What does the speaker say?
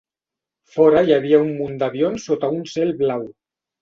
Fora hi havia un munt d'avions sota un cel blau.